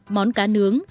món cá nướng